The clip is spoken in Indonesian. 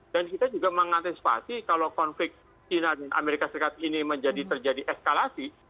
dan kita juga mengantisipasi kalau konflik china dan amerika serikat ini menjadi terjadi eskalasi